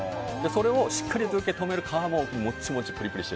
それをしっかりと受け止める皮ももっちもち